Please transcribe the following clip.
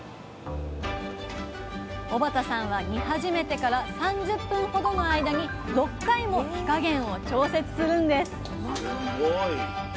小幡さんは煮始めてから３０分ほどの間に６回も火加減を調節するんです！